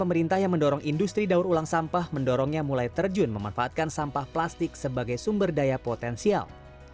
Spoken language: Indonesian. pemerintah yang mendorong industri daur ulang sampah mendorongnya mulai terjun memanfaatkan sampah plastik sebagai sumber daya potensial